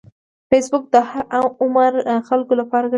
فېسبوک د هر عمر خلکو لپاره ګټور دی